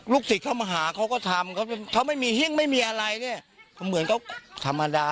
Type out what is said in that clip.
สิทธิ์เข้ามาหาเขาก็ทำเขาไม่มีหิ้งไม่มีอะไรเนี่ยเหมือนเขาธรรมดา